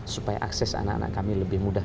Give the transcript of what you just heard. supaya akses anak anak kami lebih mudah